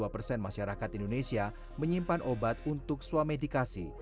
dua puluh lima dua persen masyarakat indonesia menyimpan obat untuk suamedikasi